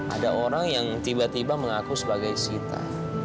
ada orang yang tiba tiba mengaku sebagai sita